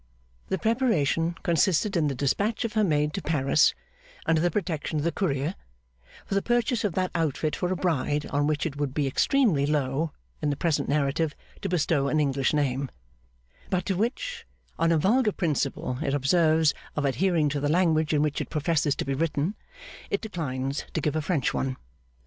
The preparation consisted in the despatch of her maid to Paris under the protection of the Courier, for the purchase of that outfit for a bride on which it would be extremely low, in the present narrative, to bestow an English name, but to which (on a vulgar principle it observes of adhering to the language in which it professes to be written) it declines to give a French one.